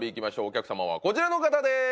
お客様はこちらの方です